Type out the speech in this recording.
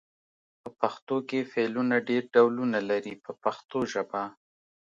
په پښتو کې فعلونه ډېر ډولونه لري په پښتو ژبه.